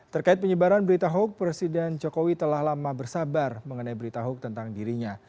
terkait penyebaran berita hoax presiden jokowi telah lama bersabar mengenai berita hoax tentang dirinya